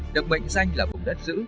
được bệnh danh là vùng đất giữ